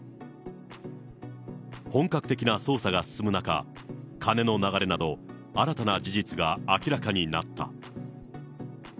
本格的な捜査が進む中、金の流れなど、新たな事実が明らかになった。